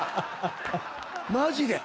マジで。